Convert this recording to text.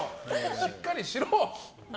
しっかりしろ！